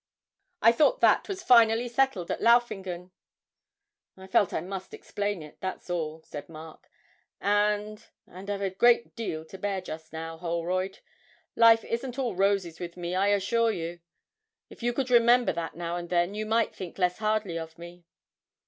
I thought that was finally settled at Laufingen.' 'I felt I must explain it, that's all,' said Mark, 'and and I've a great deal to bear just now, Holroyd. Life isn't all roses with me, I assure you. If you could remember that now and then, you might think less hardly of me!'